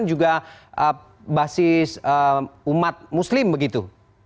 juga basis umat muslim begitu